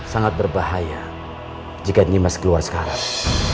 sangat berbahaya jika nimas keluar sekarang